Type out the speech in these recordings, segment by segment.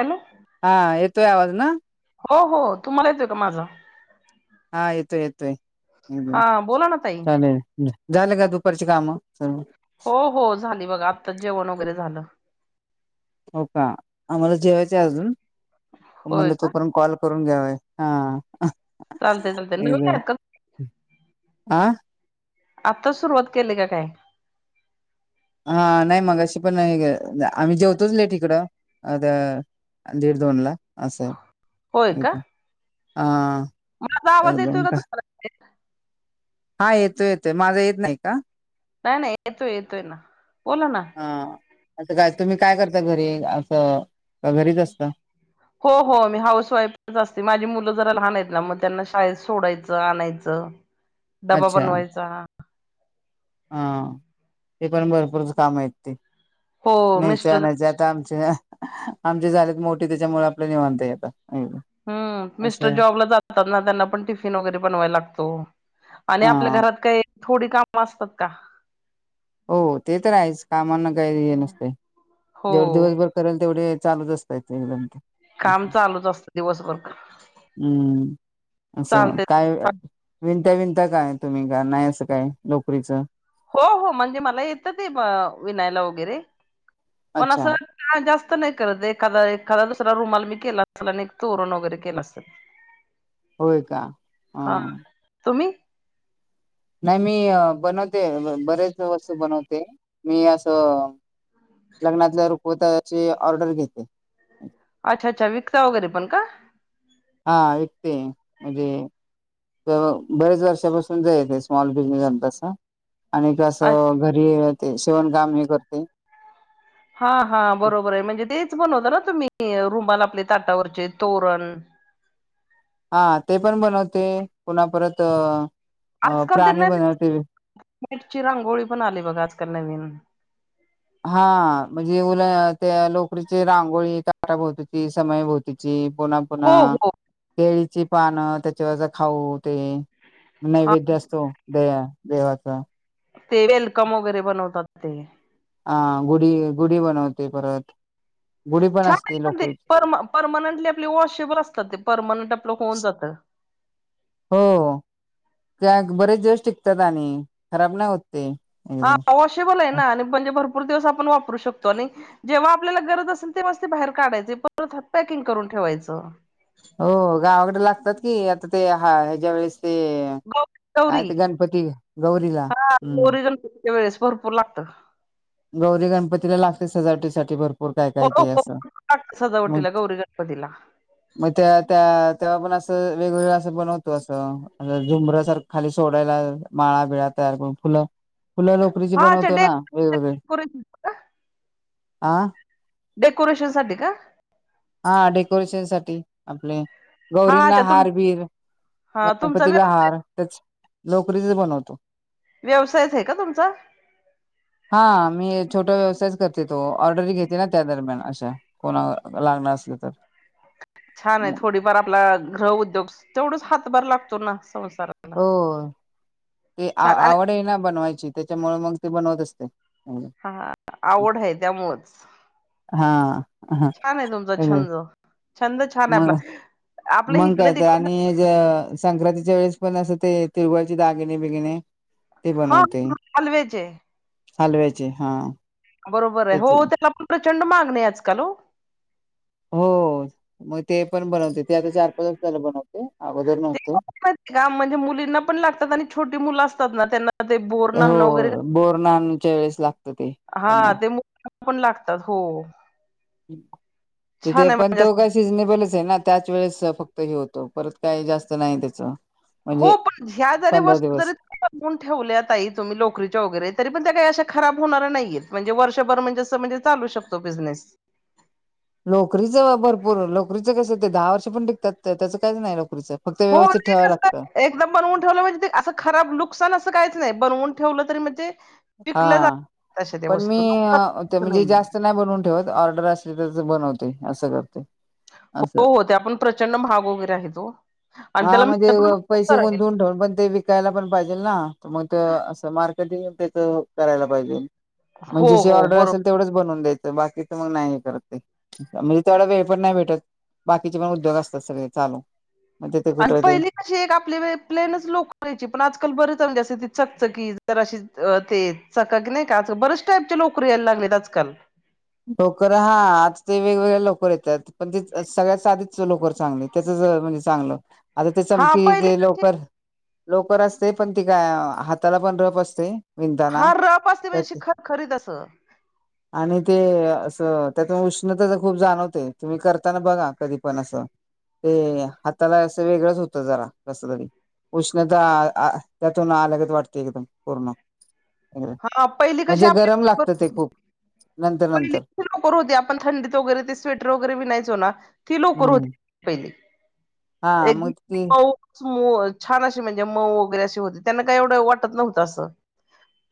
Hello हा येतोय आवाज ना? हो हो तुम्हाला येत आहे का माझा? हा येतोय येतोय एकदम. हा बोला ना ताई चालेल झालं का दुपारची कामं? हं हो हो झाली. बघ आता जेवण वगैरे झालं. हो का? आम्हाला जेवायच अजून होय म्हणल का तोपर्यंत कॉल कर. करून घ्याव हा. चालत चालत न [inaudible] [unintelligible] आं? आत्ताच सुरुवात केली का काय? हा नाही मग अशी पण आम्ही जेवतोच लेट ईकडं, अ दीड दोनला अस. होय का ह माझा आवाज येतोय का तुम्हाला? हा येतोय येतोय. माझा येत नाही का? नाही नाही येतोय येतोय ना. बोला ना हा आ काय तुम्ही काय करता घरी? असं घरीच असता. हो हो मी हाऊस वाईफ असते. माझी मुलं जरा लहानेत ना मग त्यांना शाळेत सोडायचं. आणायचं. डबा अच्छा बनवायचा. हा ते पण भरपूरच कामेत ते हो न्यायच मिस्टर आणायचं आता आम आमचे झालेत मोठ त्याच्यामुळे आपल्या निवांता आता. हम्म असं मिस्टर आहे. जॉबला जातात ना, त्यांना पण टिफिन वगैरे बनवाय लागतो. आणि हा आपल्या घरात काही थोडी काम असतात का? हो ते तर आहेच कामांना काही हे नसते जेवढे हो दिवसभर करेल तेवढे चालूच असतायेत एकट काम चालूच असतं दिवसभर हम्म. असं चालते काय विणत्या बिनत्या काय, तुम्ही का नाही असं काय लोकरीचं. हो हो म्हणजे मला येतं ते विनायला वगैरे पण अच्छा असं काळ जास्त नाही करत एखादा एखादा दुसरा रुमाला मी केला असेल. आणि तोरण वगैरे केलं असेल. होय का? हा ह. तुम्ही नाही मी बनवते बरेच वस्तू बनवते, मी असं लग्नातल्या रुखवताची ऑर्डर घेते. अच्छा अच्छा विकता वगैरे पण का? हा विकते म्हणजे ते बरेच वर्षापासून चयेते स्मॉल बिझनेस आमचा असा. आणि अच्छा. असं घरी ते शिवण काम ही करते! हा हा बरोबरे म्हणजे तेच बनवता ना तुम्ही रुमाला आपले ताटावरचे तोरण. हा ते पण बनवते पुन्हा परत अ अ प्राणी बनवते. मॅट ची रांगोळी पण आली बघा आजकाल नवीन. हा म्हणजे उल त्या लोकरीची रांगोळी ताटाभोवतीची, समयभोवतीची, पुन्हा हो पुन्हा हो केळीची पान त्याच्यावरच खाऊ. ते हा नैवेद्य असतो दे देवाचा. ते वेलकम वगैरे बनवतात ते. हा गुढी गुढी बनवते परत गुढी पण असते छान ते लोकरीची पर परमानंटली आपली वॉशेबल असतात ते परमानंट आपलं होऊन जातं. हो का बरेच दिवस टिकतात, आणि खराब नाही होत. ते एकदम हाशे बले ना आणि म्हणजे भरपूर दिवस आपण वापरू शकतो आणि जेव्हा आपल्याला गरज असेल तेव्हा ते बाहेर काढायचे परत पॅकिंग करून ठेवायचं. ठेवायचं. त्यात की आता ते हा ह्या ज्या वेळेस ते गौ काय गौरी ते गणपती गौरीला हा हम्म. गौरी गणपतीच्या वेळेस भरपूर लागतं. गौरी गणपतीला लागते सजावटीसाठी भर पूर काय हो काय हो ते असं. भरपूर लागतं मग सजावटीला गौरी गणपतीला म त्या त्या तेव्हा पण असं वेगवेगळं बनवतो अस झुमर सारख खाली सोडायला माळा बिळा तयार करून फुलं फुला लोकरीची हा अच्छा बनवतो ना वेगवेगळे, डेकोरेशन का? आ डेकोरेशनसाठी का? हा डेकोरेशन साठी आपले हा गौरींना अच्छा तुम हारबीर हा तुमचा व्य गणपतीला हार त्याच लोकरीच बनवतो व्यवसायच आहे का तुमचा? हा मी छोट व्यवसाय करते तो ऑर्डर घेते ना त्या दरम्यान अशा कोणा ला लागणार असलं तर छान आहे मग थोडीफार आपला ग्रहउद्योग तेवढच हातभार लागतो ना संसाराला. हो ते छान आणि आवड आहे ना बनवायची त्याच्यामुळे मग ते बनवत असते. हा आवड आहे त्यामुळेच ह ह छान आहे तुमचा हा छंद छंद छान आहे आपला मग आपल्या मंग इकडे काय तर तिकडे आणि ज संक्रांतीच्या वेळेस पण असं ते तिरवळचे दागिने बिगिने ते हा बनवते हलव्याचे हलव्याचे हा बरोबर आहे त्याच हो त्याला पण प्रचंड मागनी आजकाल हो हो मग ते पण बनवते ते आता चार पाच वाजलं बनवते अगोदर ते नव्हतो माहिती म्हणजे मुलींना पण लागतात आणि छोटी मुलं असतात ना त्यांना ते बोर्न्हान वगैरे हो बोरनाच्या वेळेस लागत ते हा त्यांना ते पण लागतात हो छान तिथे आहे पण म्हणजे तो असं. काय सिझनेबलच ना त्याच वेळेस फक्त हे होतं परत काही जास्त नाही त्याच म्हणजे हो पण ह्या जरी पंधरा वस्तू दिवस जरीून ठेवल्या आ तुम्ही लोकरीच्या वगैरे तरी पण त्याही खराब होणाऱ्या नाहीयेत म्हणजे वर्षभर म्हणजे असं चालू शकतो बिझनेस लोकरीचं भरपूर लोकरीचं कसं ते दहा वर्ष पण टिकतात त्याचं काहीच नाही लोकरीचं फक्त हो व्यवस्थित ठेवावं तेस लागतं एकदम बनवून ठेवलं म्हणजे ते असं खराब लुक नुकसान असं काहीच नाही बनवून ठेवलं तरी म्हणजे हा पिकलं जात तशा त्या पण मी वस्तू नुकसान म्हणजे नाही जास्त नाही बनवून ठेवत ऑर्डर असली तर बनवते असं करते असं हो हो ते आपण प्रचंड महाग वगैरे आहे तो हा म्हणजे पैसे गुंतवून ठेवून पण ते विकायला पण पाहिजे तर मग ते असं मार्कन त्याच करायला पाहिजे हो म्हणजे जे हो ऑर्डर बरोबर असेल तेवढंच बनवून द्यायचं बाकीच मग नाही हे करते म्हणजे तेवढा वेळ पण नाही भेटत बाकीचे पण उद्योग असतात सगळे चालू मग तिथे आणि कुठं ते पहिली कशी एक आपली प्लेनच लोक करायची पण आजकाल बरच चकचकी जर अशी ते चककी नाही का आजकाल बरेच टाईपच्या लोकरी यायला लागलेत आजकाल लोकर हा आता ते वेगवेगळ्या लोकर येतात पण ते सगळ्याच आधीच लवकर चांगली त्याचच म्हणजे चांगल आता ते हा चमकी पहिली ते कशी लवकर लोकर असते पण ती काय हाताला पण रप असते विणताना हा रफ असते म्हणजे अशी त्यात खरखरीत असं आणि अस त्यात उष्णता खूप जाणवते तुम्ही करताना बघा कधी पण असं ते हाताला असं वेगळंच होत जरा कस तरी उष्णता त्यातून आल्यागच वाटते एकदम पूर्ण हा पहिली कशी म्हणजे गरम आपली लागत ते खूप नंतर पहिली नंतर लोकर होते आपण थंडीत वगैरे ते स्वेटर वगैरे विनायचो ना ती लोकर हम्म होती पहिली हा एक मग ते छान अशी म्हणजे मऊ वगैरे असशी होते त्यांना काही एवढं वाटत नव्हतं असं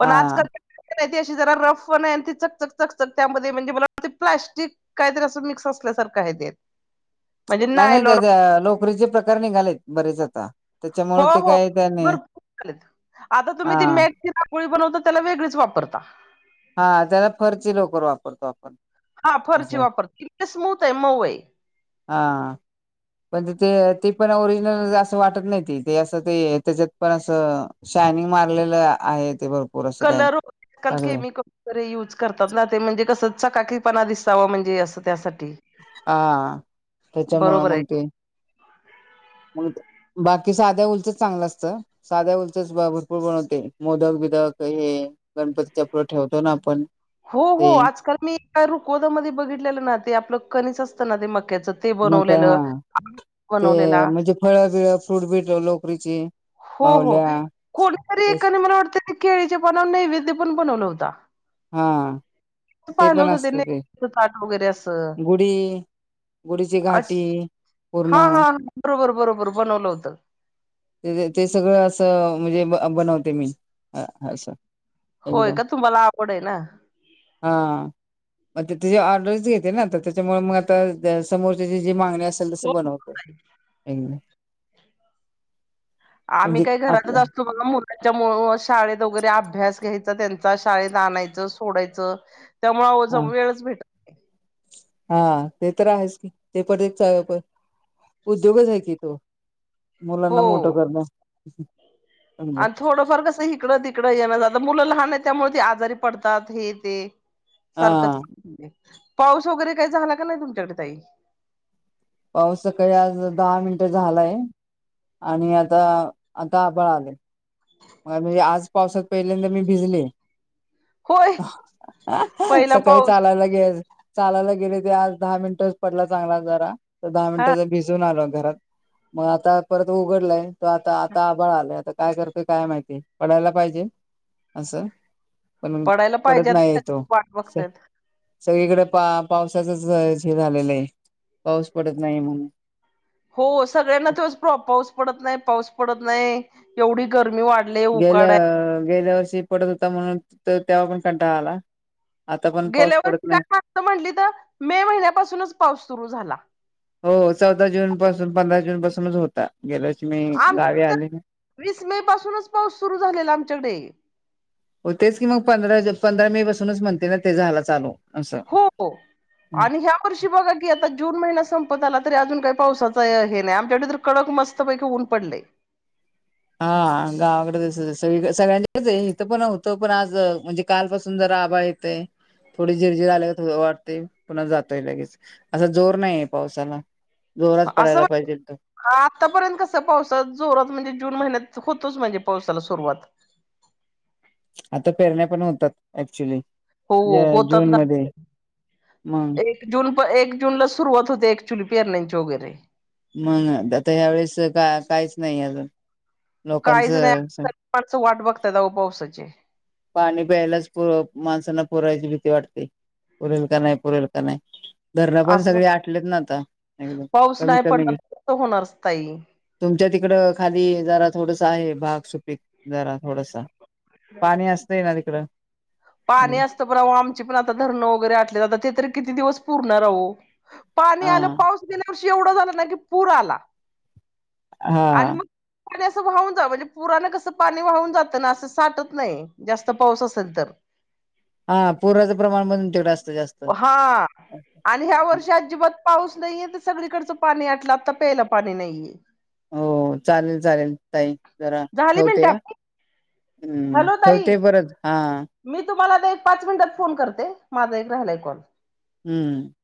पण हा आजकाल अशी जरा रफ पण त चकचक चकचक त्यामध्ये म्हणजे मला प्लास्टिक काहीतरी अस मिक्स असल्या तर काय ते म्हणजे नाही नाही नायलॉन त्याच्या लोकरीचे प्रकार निघालेत बरेच आता हो त्याच्यामुळे ते हो काय त्याने भरपूर चालेत आता तुम्ही हा ती मेळ पोळी बनवता त्याला वेगळीच वापरता हा त्याला फरची लोकर वापरतो आपण हा फर्ची असं वापरते के स्मूथ आहे मऊ आहे म्हणजे ते ते पण ओरिजिनल असं वाटत नाही त ते असं ते त्याच्यात पण असं शायनिंग मारलेलं आहे ते बरोर कलर कल केमिकल तर यूज करतात ना ते म्हणजे कसंचा चकाकीपणा दिससावा म्हणजे असं त्यासाठी हा त्याच्यामुंले बरोबर आहे मग ते मग बाकी साध्या उलचच चांगलं असतं साध्या उलचच भरपूर बनवते मोदक बिदक हे गणपतीचा पुढ ठेवतो ना आपण हो ते हो आजकाल मी रुकोदामध्ये बघितलेलं ना ते आपलं कनच असतं ना ते मग मग काय हा ते बनवलेला म्हणजे फळं बिळ फ्रूट बिटलं लोकरीची हो हो बाहुल्या कोणीतरी ते एकाने मला वाटतं केळीचे पाणावर नैवेद्य पण बनवलं होता हा ते पाहिलं पण होतं असत ते नैवेद्याचं ताट वगैरे असं गुढी गुढीची अ- घाटी पूर्ण हा हा हा. बरोबर बरोबर बनवलं होतं ते सगळं असं म्हणजे बनवते मी असं होय एकदम का तुम्हाला आवडेल हा मग ते तझे ऑर्डरच घेते ना तर त्याच्यामुळे मग आता समोरची जी मागणी असल तसं हो बनवत आम्ही काही घरातच आपलं असतो बघ मुलांच्या मु शाळेत वगैरे अभ्यास घ्यायचं त्यांचा शाळेत आणायचं सोडायचं त्यामुळेज हा वेळच भेटत हा ते तर आहेच की ते पण उद्योगच आहे कि तो हो मुलांना मोठं करणं समजा आणि थोडंफार कसं इिकडं तिकडं यें आ मुलं लहान आहेत त्यामुळे ते आजारी पडतात हे ते हा सारखंच पाऊस वगैरे काही झाला का नाही तुमच्याकडे तई पाऊस सकाळी आज दहा मिनिटे झालाय आणि आता आता आबळ आले मग म्हणजे आज पावसात पहिल्यांदा मी भिजले होय पहिला सकाळी पाऊस चालायला गे चालायला गेले ते आज दहा मिनिटच पडला चांगला जरा तर दहा मिनिट हा ज भिजून आलो घरात मग आता परत उघडलाय त आता आता आबााळ आलाय आता काय करत काय माहिती पडायला पाहिजे असं पण पडायला पडत पाहिजे आता नाही येतो सगळे वाट बघतायत सगळीकडे पा पावसाचच हे झालेलं आहे पाऊस पडत नाही म्हणून हो सगळ्यांना तच पाऊस पडत नाही पाऊस पडत नाही एवढी गर्मी गेल्या गेल्या वर्षी पडत होता म्हणून तेव्हा पण कंटाळ आला आता पण पाऊस गेल्या पडत वर्षी नाही कायत म्हटली तर मे महिन्यापासूनच पाऊस सुरू झाला हो चौदा जून पासून पंधरा जून पासूनच होता गेल्या वर्षी मी आम गावी आले वीस मे पासूनच पाऊस सुरू झालेला आमच्याकडे हो तेच की मग पंधरा पंधरा मे पासूनच म्हणते ना ते झायला चालू असं हो आणि ह्या वर्षी बघा की आता जून महिन्या संपत आला तरी अजून काही पावसाचा हे नाही आमच्याकडे तर कडक मस्त पैकी ऊन पडले हा गावाकडेस सगळ्यां इथं पण होतं पण आज म्हणजे कालपासून जर आभाळ येतंय थोडी झिरझिर आल्या थो वाटते पुन्हा जातोय लगेच असा जोर नाहीय पावसाला जोरात पडायला असं पाहिजे तो आतापर्यंत कस पावस जोरात म्हणजे जून महिन्यात होतोच म्हणजे पावसाला सुरुवात आता पेरण्या पण होतात ऍक्च्युली हो होतात जून ना मध्ये मग एक जून प एक जूनला सुरुवात होते एक चुली पीयारण्याचे वगैरे मग आता ह्या वेळेस का काहीच नाही अजून काहीच नाही लोकांचं पण अस वाट बघतात दऊ पावसाची पाणी प्यायलाच पुर माणसांना पुरयची भीती वाटते पुरेल का नाही पुरेल का नाही धरण पण असं सगळे आटलेत ना आता एकदम पाऊस कमी नाही पडला कमी तर कसं होणार ताई. तुमच्या तिकड खाली जरा थोडस आहे भाग सुपीक जरा थोड पाणी अस पाणी असत ब आमची पण आता धरणं वगैरे आटले आता ते तरी कती दि पूर्ण पा हा आ पाऊे एवढा झा ना की पूर आला हा ह मग आणि असं वाहून जा म्हणजे पुराणं कसं पाणी वाहून जात असं साठत नाही जास्त पाऊस असेल तर हा पूर्चं प्रमाण म्हणून तेवढं असत हा आणि ह्या वर्ष अजिबात पाऊस नाहीये तर सगळीकडचं पाणी आटलं आता प्यायला पाणी नाहीये हो चालेल चालेल ताई जरा झाली मिनटं ठेवते आपली हम्म ठेवते परत हा मला ते एक पाच मिनिटात फोन करते माझा एक राहिलाय कॉल हम्म